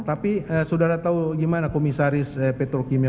tapi saudara tahu gimana komisaris petrokimia